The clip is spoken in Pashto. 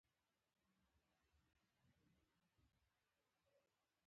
آیا د جرګې د پریکړې نه سرغړونه د کور سوځول جریمه نلري؟